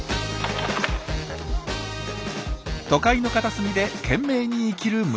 都会の片隅で懸命に生きる